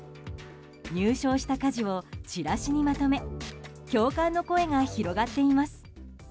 入賞した家事をチラシにまとめ共感の声が広がっています。